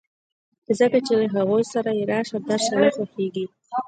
ځکه چې له هغوی سره یې راشه درشه نه خوښېږي